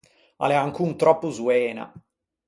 A l’ea ancon tròppo zoena.